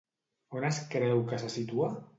On es creu que se situa?